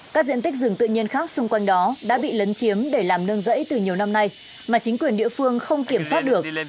các diện tích rừng tự nhiên khác xung quanh đó đã bị lấn chiếm để làm nương rẫy từ nhiều năm nay mà chính quyền địa phương không kiểm soát được